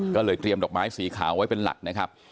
ก็เลยเตรียมดอกไม้สีขาวไว้เป็นหลักนะครับ